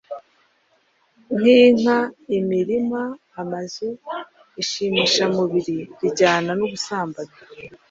nkinka, imirima, amazu... ishimishamubiri rijyana n’ubusambanyi,